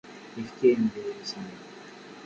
Yefka-am-d adlis-nni.